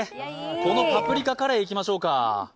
このパプリカカレーいきましょうか。